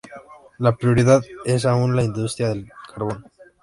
La prioridad es aún la industria del carbón.